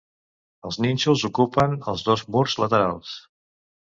Els nínxols ocupen els dos murs laterals.